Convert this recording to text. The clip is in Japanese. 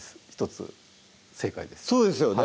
１つ正解ですそうですよね